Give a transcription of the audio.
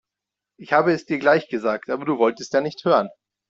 Ich habe es dir gleich gesagt, aber du wolltest ja nicht hören.